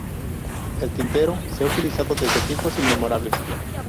El tintero se ha utilizado desde tiempos inmemoriales.